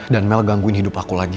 dan mel gangguin hidup aku lagi